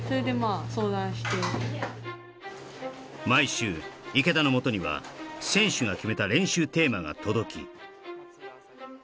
毎週池田のもとには選手が決めた練習テーマが届き